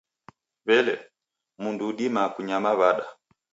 W'ele, mndu udimaa kumanya w'ada?